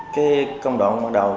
cái công đoạn bắt đầu